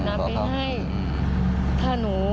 หนูจะให้เขาเซอร์ไพรส์ว่าหนูเก่ง